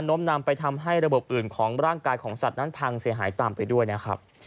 ้มนำไปทำให้ระบบอื่นของร่างกายของสัตว์นั้นพังเสียหายตามไปด้วยนะครับ